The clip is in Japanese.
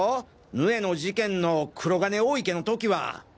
ヌエの事件の黒金大池の時は。